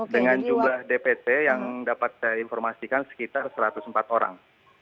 dengan jumlah dpt yang dapat saya informasikan sekitar satu ratus empat orang